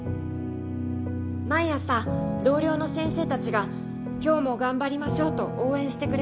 毎朝同僚の先生たちが「今日もがんばりましょう」と応援してくれます。